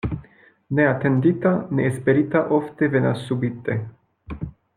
Ne atendita, ne esperita ofte venas subite.